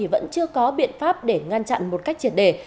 vẫn chưa có biện pháp để ngăn chặn một cách triệt đề